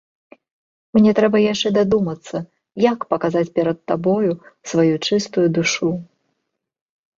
Мне трэба яшчэ дадумацца, як паказаць перад табою сваю чыстую душу.